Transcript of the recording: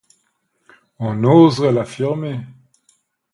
On n’oserait l’affirmer.